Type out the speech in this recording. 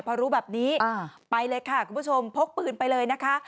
พอรู้แบบนี้ไปเลยค่ะคุณผู้ชมพกปืนไปเลยนะคะ